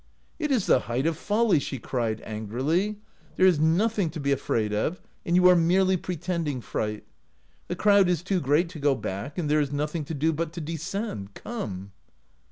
"'It is the height of folly!' she cried, angrily; 'there is nothing to be afraid of, and you are merely pretending fright. The crowd is too great to go back, and there is nothing to do but to descend. Come!